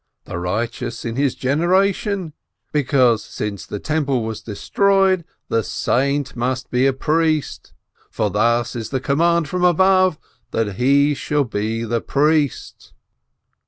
The righteous in his generation, because since the Temple was destroyed, the saint must be a priest, for thus is the command from above, that he shall be the priest